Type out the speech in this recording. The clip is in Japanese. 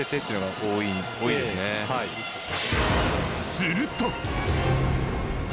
すると。